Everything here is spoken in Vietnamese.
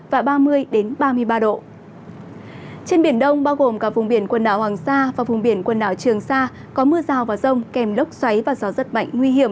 trên biển đông bao gồm cả vùng biển quần đảo hoàng sa và vùng biển quần đảo trường sa có mưa rào và rông kèm lốc xoáy và gió rất mạnh nguy hiểm